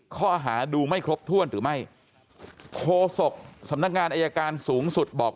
ข้อหาดูไม่ครบถ้วนหรือไม่โคศกสำนักงานอายการสูงสุดบอก